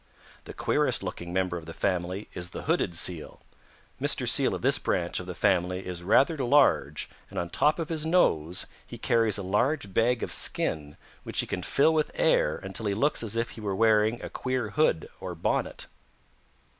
"The queerest looking member of the family is the Hooded Seal. Mr. Seal of this branch of the family is rather large, and on top of his nose he carries a large bag of skin which he can fill with air until he looks as if he were wearing a queer hood or bonnet.